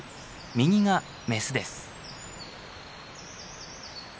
右がメスです。